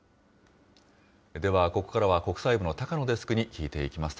では、ここからは国際部の高野デスクに聞いていきます。